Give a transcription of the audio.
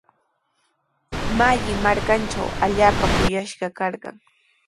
Malli markantraw allaapa kuyashqa karqan.